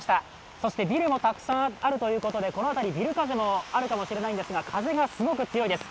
そしてビルもたくさんあるということで、この辺りビル風もあるかもしれないんですが、風がすごく強いです。